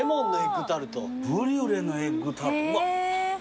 ブリュレのエッグタルト。